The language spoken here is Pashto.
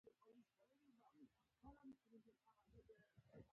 د هندي سبک لمن پراخه شوه او ډولونه پکې پیدا شول